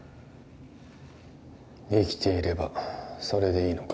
生きていればそれでいいのか？